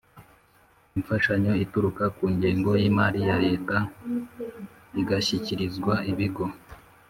Imfashanyo Ituruka Ku Ngengo Y Imari Ya Leta Igashyikirizwa Ibigo